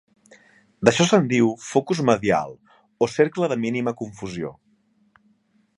D'això se'n diu "focus medial" o "cercle de mínima confusió".